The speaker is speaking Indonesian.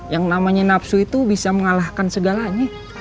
yang namanya nafsu itu bisa mengalahkan segalanya